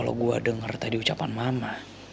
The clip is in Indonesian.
kalo gua denger tadi ucapan mama